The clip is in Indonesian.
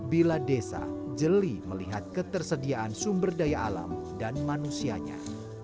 bila desa jeli melihat ketersediaan sumber daya alam dan manusianya